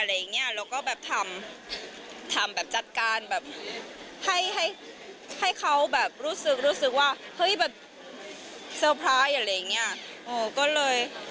แล้วก็ทำจัดการให้เขารู้สึกว่าเซอร์ไพรส์